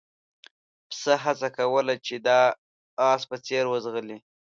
پسه هڅه کوله چې د اس په څېر وځغلي.